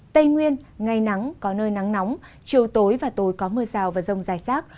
tây nguyên ngày nắng có nơi nắng nóng trưa tối vài tối có mưa rào và rông dài rác